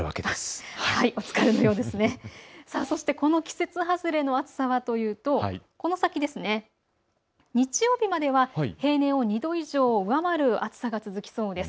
そして、この季節外れの暑さはこの先、日曜日までは平年並みを２度以上上回る暑さが続きそうです。